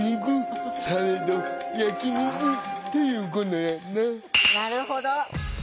なるほど。